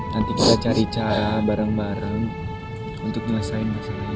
nanti kita cari cara bareng bareng untuk menyelesaikan masalah ini